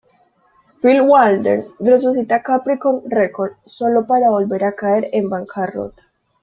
Phil Walden resucita Capricorn Record sólo para volver a caer en bancarrota.